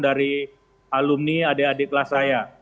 dari alumni adik adik kelas saya